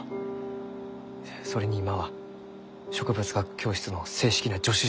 それに今は植物学教室の正式な助手じゃ。